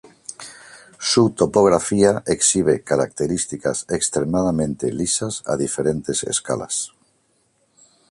Su topografía exhibe características extremadamente lisas a diferentes escalas.